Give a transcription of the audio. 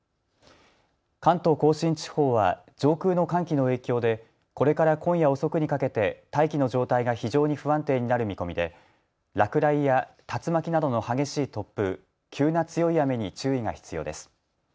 関東甲信地方は上空の寒気の影響でこれから今夜遅くにかけて大気の状態が非常に不安定になる見込みで落雷や竜巻などの激しい突風、急な強い雨に注意が必要です。